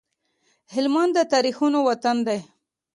هلمند د تاريخونو وطن دی